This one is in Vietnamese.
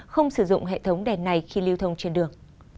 không sử dụng hệ thống đèn này khi lưu thông trên đường